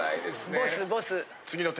ボスボス。